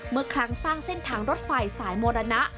เมื่อครั้งสร้างเส้นทางรถไฟสายมรณะ